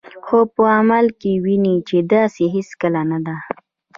خو په عمل کې وینو چې داسې هیڅکله نه ده.